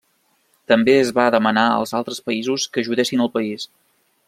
També es va demanar als altres països que ajudessin al país.